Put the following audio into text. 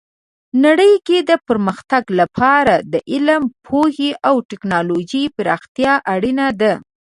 نړۍ کې د پرمختګ لپاره د علم، پوهې او ټیکنالوژۍ پراختیا اړینه ده.